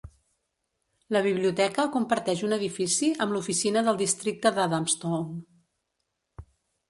La biblioteca comparteix un edifici amb l'oficina del districte d'Adamstown.